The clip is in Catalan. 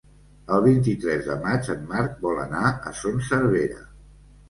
El vint-i-tres de maig en Marc vol anar a Son Servera.